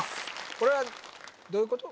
これはどういうこと？